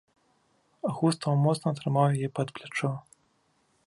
Густаў моцна трымаў яе пад плячо.